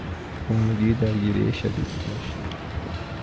با مدیر درگیری شدیدی داشت.